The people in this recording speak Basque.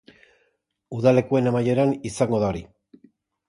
Udalekuen amaieran izango da hori.